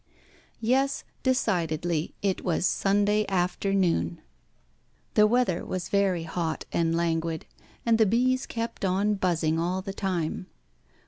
Yes, decidedly, it was Sunday afternoon! The weather was very hot and languid, and the bees kept on buzzing all the time.